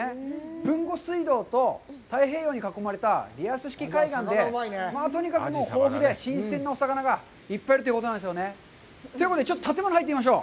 豊後水道と太平洋に囲まれたリアス式海岸で、まあ、とにかく豊富で新鮮なお魚がいっぱいいるということなんですよね。ということで、ちょっと建物に入ってみましょう。